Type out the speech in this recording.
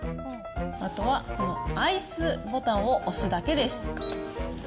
あとはこのアイスボタンを押すだけです。